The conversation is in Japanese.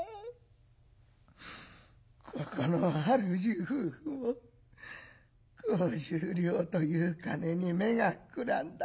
ここの主夫婦は５０両という金に目がくらんだか。